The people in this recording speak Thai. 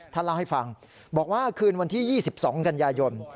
เล่าให้ฟังบอกว่าคืนวันที่๒๒กันยายน